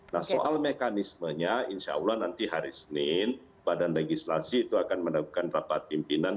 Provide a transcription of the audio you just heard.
nah soal mekanismenya insya allah nanti hari senin badan legislasi itu akan melakukan rapat pimpinan